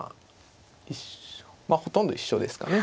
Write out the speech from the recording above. まあほとんど一緒ですかね。